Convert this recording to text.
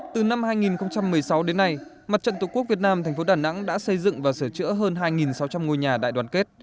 từ năm hai nghìn một mươi sáu đến nay mặt trận tổ quốc việt nam thành phố đà nẵng đã xây dựng và sửa chữa hơn hai sáu trăm linh ngôi nhà đại đoàn kết